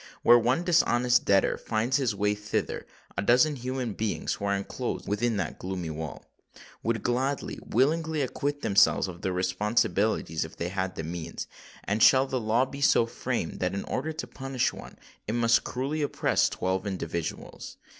Where one dishonest debtor finds his way thither, a dozen human beings who are enclosed within that gloomy wall, would gladly—willingly, acquit themselves of their responsibilities if they had the means. And shall the law be so framed that, in order to punish one, it must cruelly oppress twelve individuals?